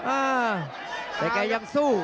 อ่าแต่แกยังสู้